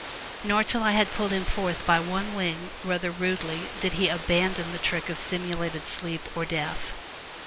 Nor till I had pulled him forth by one wing, rather rudely, did he abandon the trick of simulated sleep or death.